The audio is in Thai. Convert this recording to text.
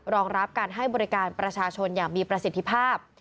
รองรับการให้บริการประชาชนอย่างมีประสิทธิภาพ